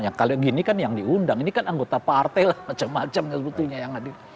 yang kalau gini kan yang diundang ini kan anggota partai lah macam macam sebetulnya yang hadir